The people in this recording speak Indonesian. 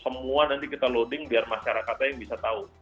semua nanti kita loading biar masyarakatnya yang bisa tahu